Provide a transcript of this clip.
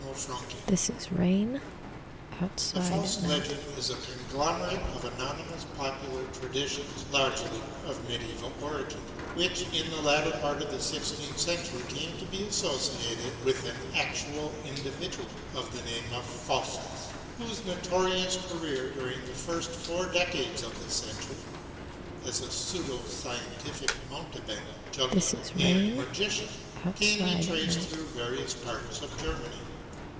D., LL.D., LITT.D. Professor of the History of German Culture, Harvard University The Faust legend is a conglomerate of anonymous popular traditions, largely of medieval origin, which in the latter part of the sixteenth century came to be associated with an actual individual of the name of Faustus whose notorious career during the first four decades of the century, as a pseudo scientific mountebank, juggler and magician can be traced through various parts of Germany.